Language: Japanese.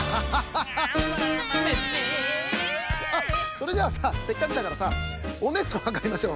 あっそれじゃあさせっかくだからさおねつはかりましょう